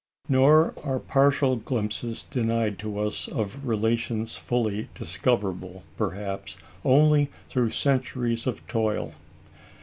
Nor are partial glimpses denied to us of relations fully discoverable, perhaps, only through centuries of toil.